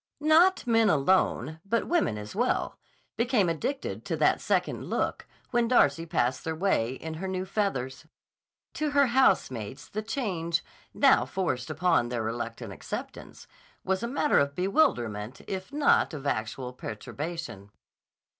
Not men alone, but women as well, became addicted to that second look when Darcy passed their way in her new feathers. To her housemates the change, now forced upon their reluctant acceptance, was a matter of bewilderment if not of actual perturbation.